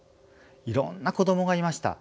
いろんな子どもがいました。